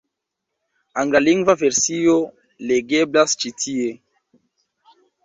Anglalingva versio legeblas ĉi tie.